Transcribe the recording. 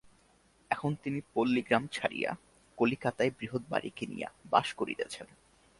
এখন তিনি পল্লীগ্রাম ছাড়িয়া কলিকাতায় বৃহৎ বাড়ি কিনিয়া বাস করিতেছেন।